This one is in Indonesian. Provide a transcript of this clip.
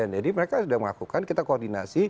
jadi mereka sudah mengakukan kita koordinasi